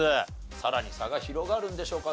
さらに差が広がるんでしょうか？